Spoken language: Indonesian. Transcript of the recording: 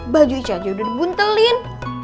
baju ije aja udah dibuntelin